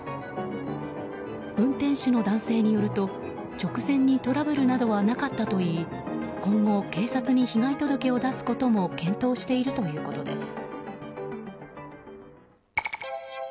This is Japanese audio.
運転手の男性によると、直前にトラブルなどはなかったといい今後、警察に被害届を出すことも検討しているということです。